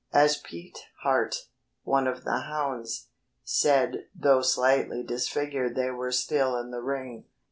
As Pete Hart, one of the hounds, said "though slightly disfigured they were still in the ring."